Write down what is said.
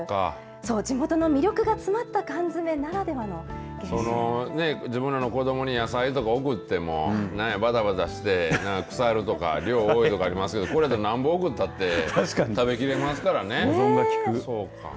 地元の魅力が詰まった缶詰ならではの自分らの子どもに野菜とか送っても腐るとか量多いとかありますけれどこれならなんぼ送ったって食べきれますからね。